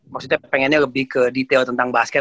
maksudnya pengennya lebih ke detail tentang basket